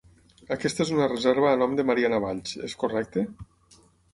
Aquesta és una reserva a nom de Mariana Valls, és correcte?